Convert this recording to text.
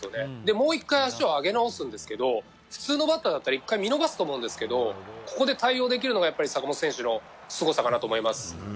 もう１回足を上げ直すんですけど普通のバッターだったら１回見直すんですが対応できるのが坂本選手のすごさかなと思います。